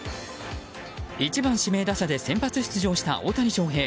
１番指名打者で先発出場した大谷翔平。